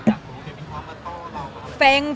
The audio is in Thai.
อยากรู้ว่ามันมีความเกิดของเรา